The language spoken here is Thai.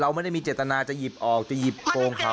ไม่ได้มีเจตนาจะหยิบออกจะหยิบโกงเขา